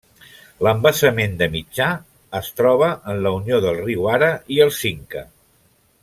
L'embassament de Mitjà es troba en la unió del riu Ara i el Cinca.